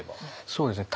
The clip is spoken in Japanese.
そうですね